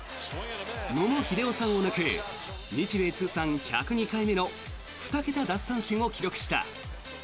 野茂英雄さんを抜く日米通算１０２回目の２桁奪三振を記録した。